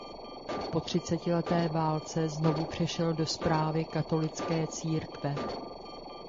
Po třicetileté válce znovu přešel do správy katolické církve.